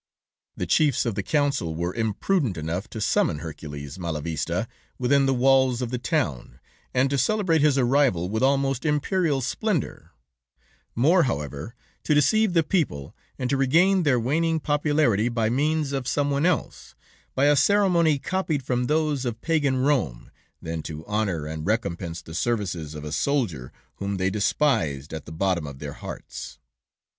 "The Chiefs of the Council were imprudent enough to summon Hercules Malavista within the walls of the town, and to celebrate his arrival with almost imperial splendor, more, however, to deceive the people and to regain their waning popularity by means of some one else, by a ceremony copied from those of Pagan Rome, than to honor and recompense the services of a soldier whom they despised at the bottom of their hearts.